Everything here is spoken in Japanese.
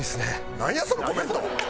なんやそのコメント！